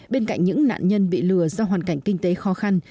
bên cạnh những nạn nhân bị lừa do hoàn cảnh kinh tế khó khăn